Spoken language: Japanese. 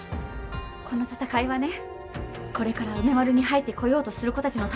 この闘いはねこれから梅丸に入ってこようとする子たちのための闘いでもあるの。